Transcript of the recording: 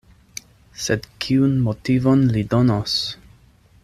Sed kiun motivon li donos?